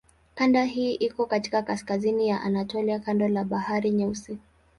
Kanda hii iko katika kaskazini ya Anatolia kando la Bahari Nyeusi.